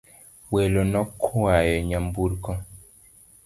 Welo nokwayo nyamburko